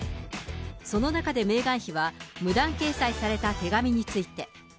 その中でメーガン妃は、無断掲載された手紙について。